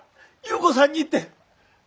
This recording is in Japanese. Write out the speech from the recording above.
優子さんにって！